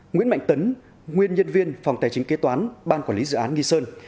nguyễn mạnh tấn nguyên nhân viên phòng tài chính kế toán ban quản lý dự án nghi sơn